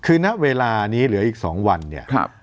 คือนักเวลานี้เหลืออีกสองวันเนี่ยครับ